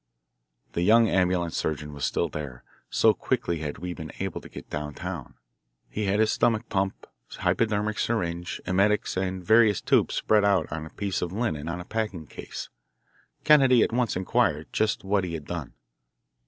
The young ambulance surgeon was still there, so quickly had we been able to get down town. He had his stomach pump, hypodermic syringe, emetics, and various tubes spread out on a piece of linen on a packing case. Kennedy at once inquired just what he had done.